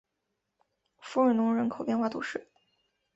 弗尔农人口变化图示